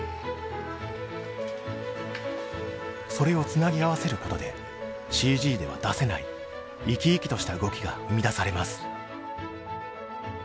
それをつなぎ合わせることでＣＧでは出せない生き生きとした動きが生み出されます。